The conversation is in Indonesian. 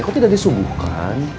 kok tidak disubuhkan